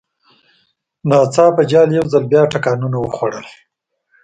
ناڅاپه جال یو ځل بیا ټکانونه وخوړل.